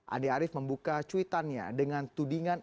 andi arief membuka cuitannya dengan tudingan